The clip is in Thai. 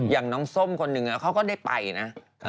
อย่างน้องส้มคนหนึ่งเขาก็ได้ไปนะ